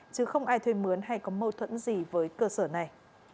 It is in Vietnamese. chứ không ai thuê mướn hay có mâu thuẫn gì với cơ sở này